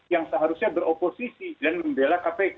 yang seharusnya beroposisi dan membela kpk